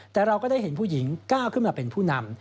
แต่เราก็ได้เห็นผู้หญิงก้าวขึ้นมาเป็นผู้นำ